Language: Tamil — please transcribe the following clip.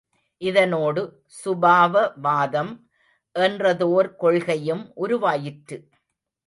இதனோடு சுபாவவாதம் என்றதோர் கொள்கையும் உருவாயிற்று.